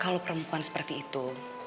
kalau perempuan seperti itu